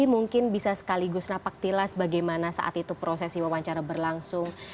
mungkin bisa sekaligus napaktilas bagaimana saat itu prosesi wawancara berlangsung